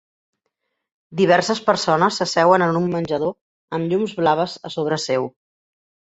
Diverses persones s'asseuen en un menjador amb llums blaves a sobre seu.